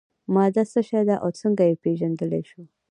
ماده څه شی ده او څنګه یې پیژندلی شو.